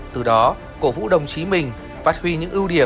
từ đó cổ vũ đồng chí mình phát huy những ưu điểm